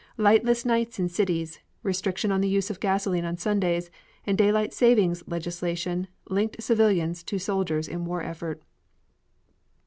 Lightless nights in cities, restriction of the use of gasoline on Sundays and daylight saving legislation linked civilians to soldiers in war effort.